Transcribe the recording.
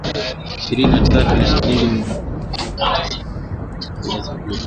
Ishirini na tatu) na shilingi mia mbili thamini na tisa za Tanzania (Dola sufuri.